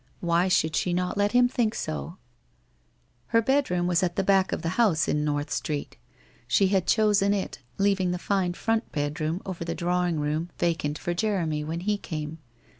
Why should she not let him think so ? Her bedroom was at the back of the house in North Street. She had chosen it, leaving the fine front bedroom over the drawing room vacant for Jeremy when he came.